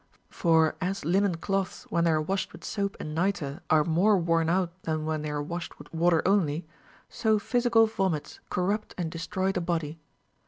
For as linen cloths, when they are washed with soap and nitre, are more worn out than when they are washed with water only, so physical vomits corrupt and destroy the body.